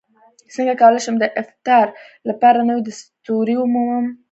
څنګه کولی شم د افتار لپاره نوې دستورې ومومم